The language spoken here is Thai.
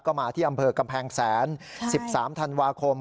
ก็มาที่อำเภอกำแพงแสน๑๓ธันวาคม